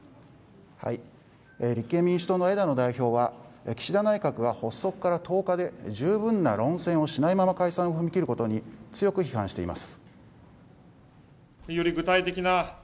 立憲民主党の枝野代表は岸田内閣が発足から１０日で十分な論戦をしないまま解散に踏み切ることに強く批判しています